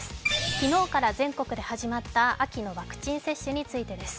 昨日から全国で始まった秋のワクチン接種についてです。